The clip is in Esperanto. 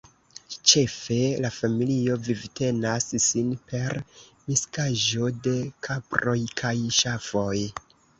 Ĉefe la familio vivtenas sin per miksaĵo de kaproj kaj ŝafoj.